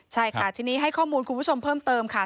ใช่ค่ะทีนี้ให้ข้อมูลคุณผู้ชมเพิ่มเติมค่ะ